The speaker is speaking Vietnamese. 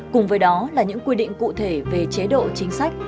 cùng với đó là những quy định cụ thể về chế độ chính sách